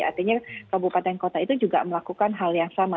artinya kabupaten kota itu juga melakukan hal yang sama